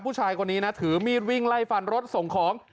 ผู้ชายคนนี้นะถือมีดวิ่งไล่ฟันรถส่งของ